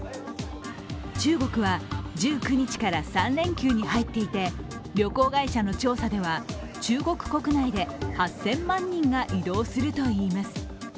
中国は１９日から３連休に入っていて旅行会社の調査では中国国内で８０００万人が移動するといいます。